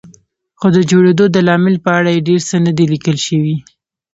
خو د جوړېدو د لامل په اړه یې ډېر څه نه دي لیکل شوي.